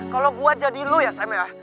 kalau gue jadi lu ya sam ya